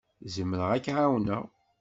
Zemreɣ ad k-ɛawneɣ.